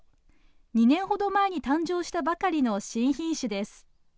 ２年ほど前に誕生したばかりの新品種です。